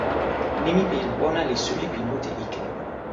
nimi pi jan pona li suli pi mute ike.